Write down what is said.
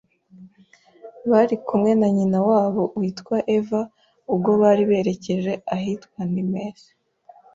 bari kumwe na nyina wabo witwa Eva, ubwo bari berekeje ahitwa Nimes .